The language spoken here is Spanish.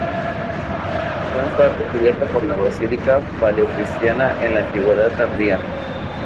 Fue en parte cubierto por la basílica paleocristiana en la Antigüedad tardía.